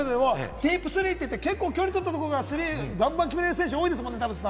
ディープスリーって言って、結構、距離取ったところからスリーをバンバン決められる選手、多いですもんね。